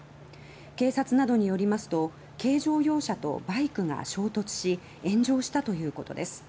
警察などによりますと軽乗用車とバイクが衝突し炎上したということです。